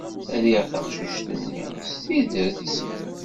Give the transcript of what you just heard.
Riɣ taqcict-nni s tidet.